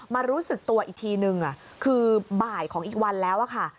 รู้สึกตัวอีกทีนึงคือบ่ายของอีกวันแล้วค่ะ